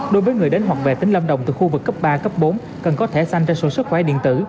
đối với người đến hoặc về tính lâm đồng từ khu vực cấp ba cấp bốn cần có thẻ xanh trên sổ sức khỏe điện tử